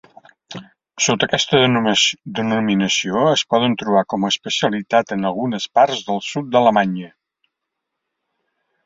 Sota aquesta denominació es poden trobar com a especialitat en algunes parts del sud d'Alemanya.